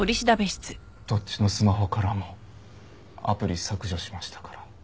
どっちのスマホからもアプリ削除しましたから。